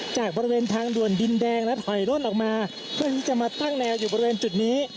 จากบริเวณทางด่วนดินแดงและถอยร่นออกมาเพื่อที่จะมาตั้งแนวอยู่บริเวณจุดนี้